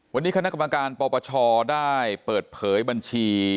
วันนี้คณะกรรมการปปชได้เปิดเผยบัญชี